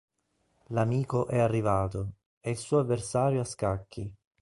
L'amico è arrivato: è il suo avversario a scacchi.